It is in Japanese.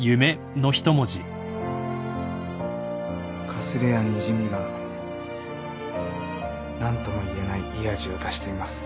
かすれやにじみが何とも言えないいい味を出しています。